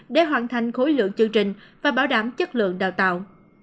để hoàn thành khối lượng chương trình và bảo đảm chất lượng đào tạo